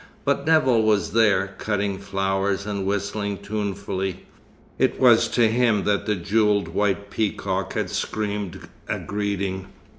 But Nevill was there, cutting flowers and whistling tunefully. It was to him that the jewelled white peacock had screamed a greeting.